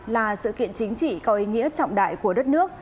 là sự kiện chính trị có ý nghĩa trọng đại của đất nước